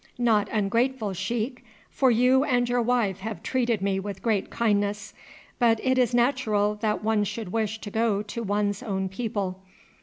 "Not ungrateful, sheik, for you and your wife have treated me with great kindness; but it is natural that one should wish to go to one's own people.